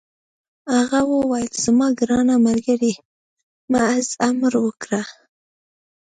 هغه وویل: زما ګرانه ملګرې، محض امر وکړه.